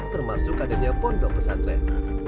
termasuk adanya pondok pesantren